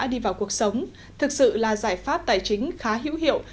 nguồn vốn vay vào cuộc sống thực sự là giải pháp tài chính khá hữu hiệu